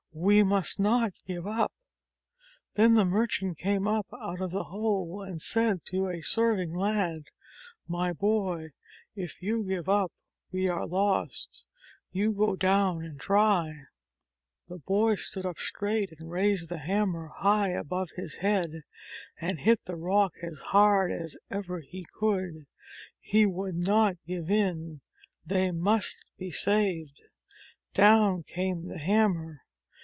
"We must not give up I" Then the merchant came up out of the hole and said to a serving lad: "My boy, if you give up we are lost ! You go down and try !" The boy stood up straight and raised the hammer high above his head and hit the rock as hard as ever he could. He would not give in. They must be saved. Down came the hammer.